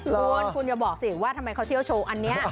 คุณคุณอย่าบอกสิว่าทำไมเขาเที่ยวโชว์อันนี้